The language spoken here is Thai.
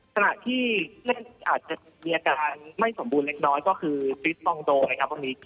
ขณะที่ผู้เล่นอาจจะมีอาการไม่สมบูรณ์เล็กน้อยก็คือฟิสปองโดนะครับวันนี้